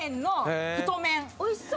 おいしそう。